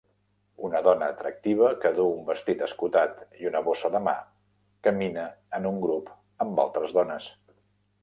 Una dona atractiva que duu un vestit escotat i una bossa de mà camina en un grup amb altres dones